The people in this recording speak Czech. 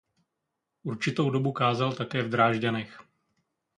Určitou dobu kázal také v Drážďanech.